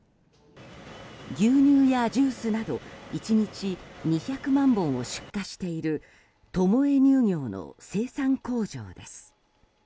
牛乳やジュースなど１日２００万本を出荷しているトモヱ乳業の生産工場です。